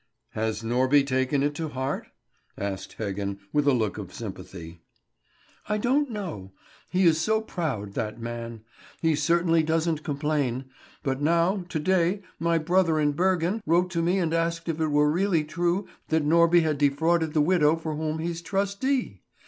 "Has Norby taken it to heart?" asked Heggen, with a look of sympathy. "I don't know; he is so proud, that man. He certainly doesn't complain. But now, to day, my brother in Bergen wrote to me and asked if it were really true that Norby had defrauded the widow for whom he's trustee!